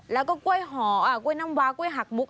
แล้วก็กล้วยหอกล้วยน้ำวากล้วยหักมุก